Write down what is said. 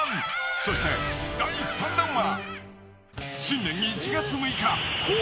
そして第三弾は。